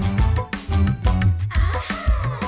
kaget ya semuanya